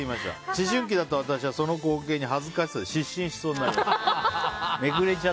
思春期だった私はその光景に恥ずかしさで失神しそうでした。